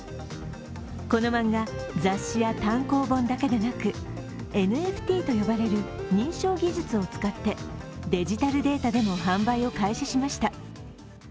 この漫画、雑誌や単行本だけでなくＮＦＴと呼ばれる認証技術を使ってデジタルデータでも販売を開始しました。